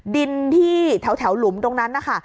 ดินที่แถวหลุมตรงนั้นนะคะ